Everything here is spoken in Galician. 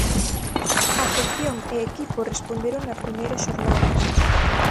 Afección e equipo responderon na primeira xornada.